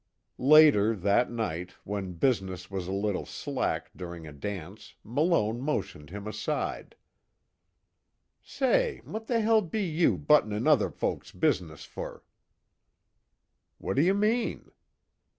Later, that night, when business was a little slack during a dance Malone motioned him aside: "Say, what the hell be you buttin' in on other folks business fer?" "What do you mean?"